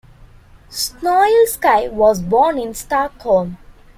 Snoilsky was born in Stockholm.